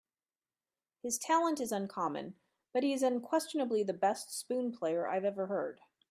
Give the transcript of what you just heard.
His talent is uncommon, but he is unquestionably the best spoon player I've ever heard.